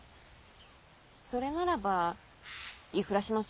それならば言い触らします。